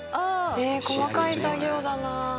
え細かい作業だなあ。